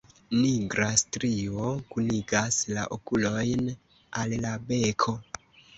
Nigra strio kunigas la okulojn al la beko.